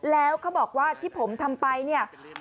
แล้วเขาบอกว่าที่ผมทำไปเนี่ย